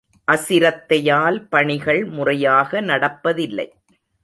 அசிரத்தையால் பணிகள் முறையாக நடப்பதில்லை.